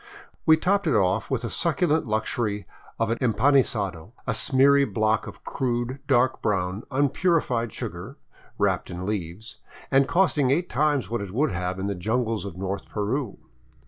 We topped it off with the succulent luxury of an empanisado, a smeary block of crude, dark brown, unpurified sugar, wrapped in leaves and costing eight times what it would have in the jungles of north Peru.